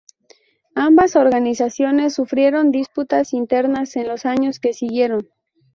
Ambas organizaciones sufrieron disputas internas en los años que siguieron.